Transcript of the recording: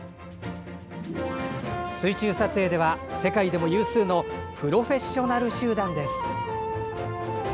水中撮影では世界でも有数のプロフェッショナル集団です。